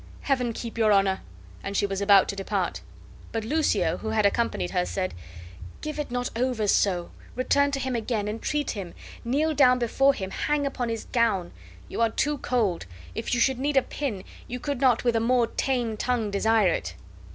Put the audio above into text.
Heaven keep your Honor!" and she was about to depart. But Lucio, who had accompanied her, said: "Give it not over so; return to him again, entreat him, kneel down before him, hang upon his gown. You are too cold; if you should need a pin, you could not with a more tame tongue desire it."